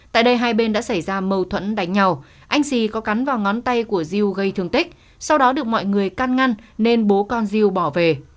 tại đây hai bên đã xảy ra mâu thuẫn đánh nhau anh xì có cắn vào ngón tay của diêu gây thương tích sau đó được mọi người can ngăn nên bố con diêu bỏ về